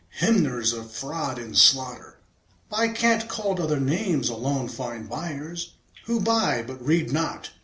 Hymners of fraud and slaughter, By cant called other names, alone find buyers Who buy, but read not.